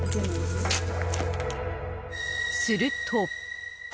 すると。